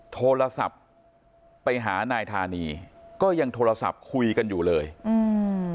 โทรศัพท์ไปหานายธานีก็ยังโทรศัพท์คุยกันอยู่เลยอืม